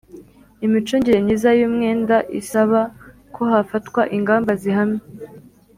imicungire myiza y'umwenda isaba ko hafatwa ingamba zihamye